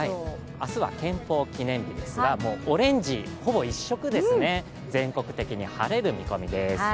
明日は憲法記念日ですがオレンジほぼ一色全国的に晴れる見込みです。